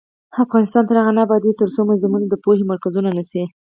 افغانستان تر هغو نه ابادیږي، ترڅو موزیمونه د پوهې مرکزونه نشي.